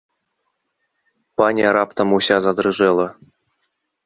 Паня раптам уся задрыжэла.